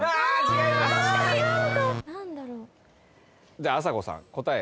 じゃああさこさん答え。